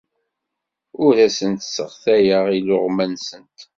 Ur asent-sseɣtayeɣ iluɣma-nsent.